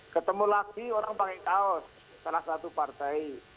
ketemu lagi orang pakai kaos salah satu partai